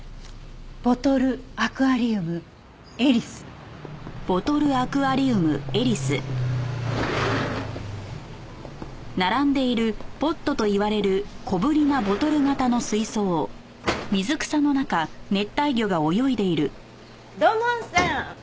「ボトルアクアリウムエリス」土門さん！